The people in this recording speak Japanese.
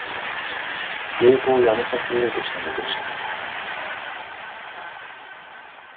芸妓を辞めさせようとしたのはどうして？